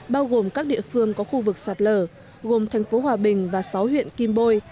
bao gồm các địa phương có khu vực sạt lở gồm thành phố hòa bình và sáu huyện kim bôi